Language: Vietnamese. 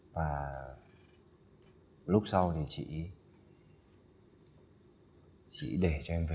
và lúc sau thì chị để cho em về